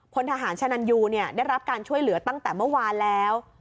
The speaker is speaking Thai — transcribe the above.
พลทหารชะนันยูได้รับการช่วยเหลือตั้งแต่เมื่อวานแล้ว